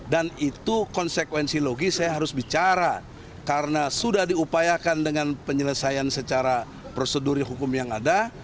dan itu konsekuensi logis saya harus bicara karena sudah diupayakan dengan penyelesaian secara prosedur hukum yang ada